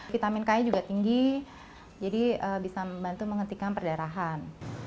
vitamin k juga tinggi jadi bisa membantu menghentikan perdarahan